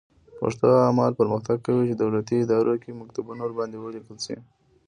پښتو هغه مهال پرمختګ کوي چې دولتي ادارو کې مکتوبونه ورباندې ولیکل شي.